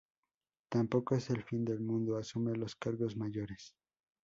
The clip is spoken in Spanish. tampoco es el fin del mundo. asume los cargos mayores.